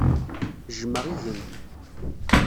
Jjmeɣ igen.